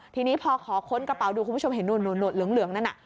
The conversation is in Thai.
ทีนี้พอขอค้นกระเป๋าดูคุณผู้ชมเห็นนู่นเหลืองนั่นน่ะ